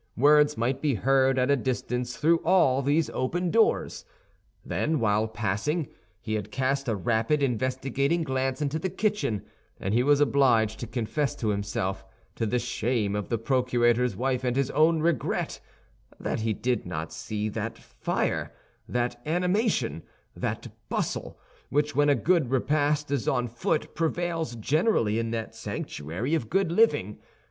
Words might be heard at a distance through all these open doors. Then, while passing, he had cast a rapid, investigating glance into the kitchen; and he was obliged to confess to himself, to the shame of the procurator's wife and his own regret, that he did not see that fire, that animation, that bustle, which when a good repast is on foot prevails generally in that sanctuary of good living.